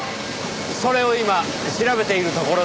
それを今調べているところです。